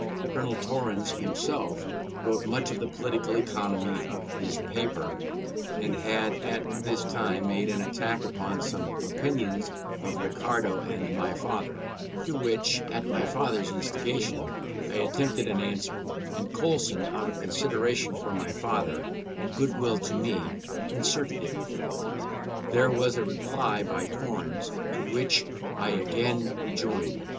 Colonel Torrens himself wrote much of the political economy of his paper; and had at this time made an attack upon some opinion of Ricardo and my father, to which, at my father's instigation, I attempted an answer, and Coulson, out of consideration for my father and goodwill to me, inserted it. There was a reply by Torrens, to which I again rejoined.